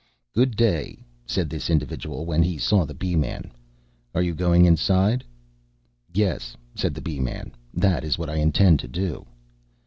"Good day," said this individual when he saw the Bee man. "Are you going inside?" "Yes," said the Bee man, "that is what I intend to do."